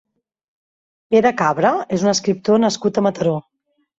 Pere Cabra és un escriptor nascut a Mataró.